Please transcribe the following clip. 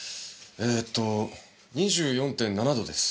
えーっと２４．７度です。